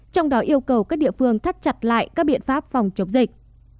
trong đó yêu cầu các địa phương thắt chặt lại các biện pháp phòng chống dịch